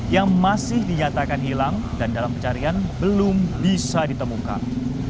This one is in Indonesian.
yang masih dinyatakan hilang dan dalam pencarian belum bisa ditemukan